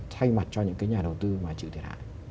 thay mặt cho những cái nhà đầu tư mà chịu thiệt hại